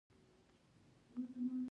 پسرلی د افغانستان د صادراتو برخه ده.